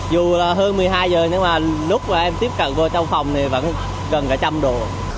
dù hơn một mươi hai giờ nhưng mà lúc em tiếp cận vô trong phòng thì vẫn gần cả trăm đồ